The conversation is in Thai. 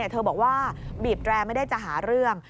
เธอบอกว่าบีบแรร์ไม่ได้จะหาเรื่อง